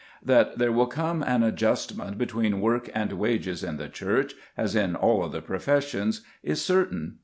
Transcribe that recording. That there will come an adjustment between work and wages in the Church, as in all other professions, is certain.